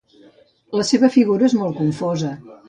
La seva figura és molt confosa.